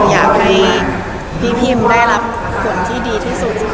อยากให้พี่พิมได้รับผลที่ดีที่สุด